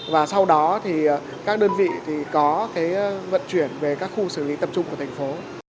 và sau đó các đơn vị có vận chuyển về các khu xử lý tập trung của thành phố